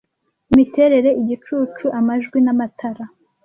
Imiterere, igicucu, amajwi n'amatara